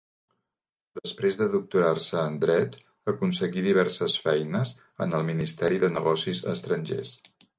Després de doctorar-se en Dret, aconseguí diverses feines en el ministeri de Negocis estrangers.